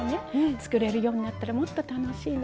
作れるようになったらもっと楽しいの。